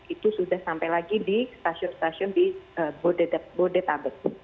itu sudah sampai lagi di stasiun stasiun di bodetabek